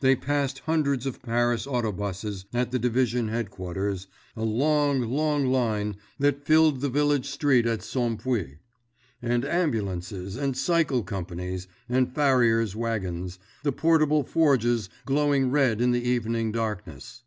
They passed hundreds of Paris autobusses at the Division Headquarters, a long, long line that filled the village street at Sompuis, and ambulances, and cycle companies, and farriers' wagons, the portable forges glowing red in the evening darkness.